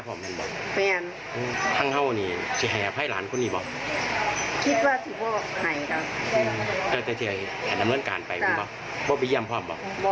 พวกไปเยี่ยมพร้อมหรือว่าครับ